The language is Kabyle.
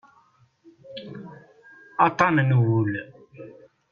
Aṭṭan n wul.